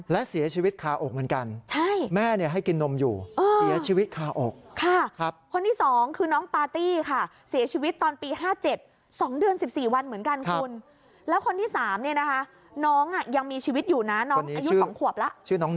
และเสียชีวิตคาอกเหมือนกัน